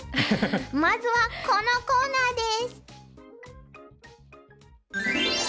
まずはこのコーナーです。